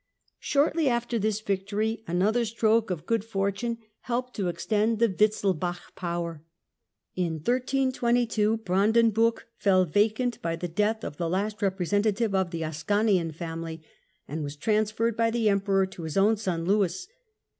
Shortly after this victory, another stroke of good for tune helped to extend the Wittelsbach power. In 1322 Brandenburg fell vacant by the death of the last repre bacii House sentative of the Ascanian family, and was transferred by the Emperor to his own sou Lewis.